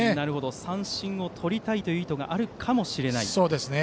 三振をとりたいという意図があるかもしれないと。